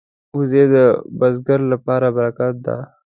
وزې د بزګر لپاره برکت ده